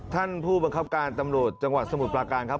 ท่านผู้บังคับการตำรวจจังหวัดสมุทรปราการครับ